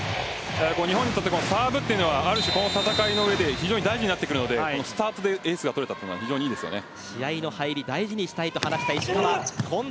日本にとってサーブというのはある種、この戦いの上で非常に大事になってくるのでスタートでエースが取れたのはいいですね。